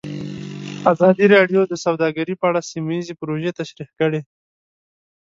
ازادي راډیو د سوداګري په اړه سیمه ییزې پروژې تشریح کړې.